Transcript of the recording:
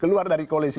keluar dari koalisi